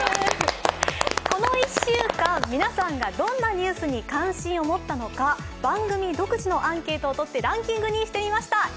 この１週間、皆さんがどんなニュースに関心を持ったのか番組独自のアンケートをとってランキングにしてみました。